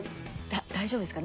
大丈夫ですか？